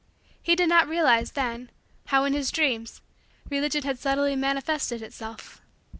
He did not realize, then, how, in his Dreams, Religion had subtly manifested itself.